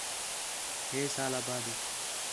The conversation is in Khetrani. ٻَئہ سال آ بعد